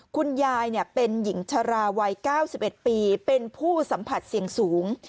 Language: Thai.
คุณยายเป็นหญิงชราวัย๙๑ปีเป็นผู้สัมผัสเสี่ยงสูง